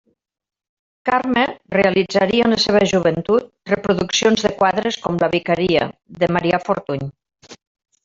Carme realitzaria en la seva joventut reproduccions de quadres com La Vicaria, de Marià Fortuny.